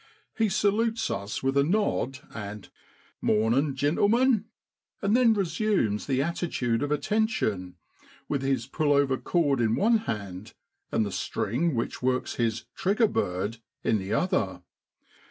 He salutes us with a nod and * Mornin' ! gintlemen,' and then resumes the attitude of attention, with his pull over cord in one hand, and the string which works his * trigger bird ' in the other.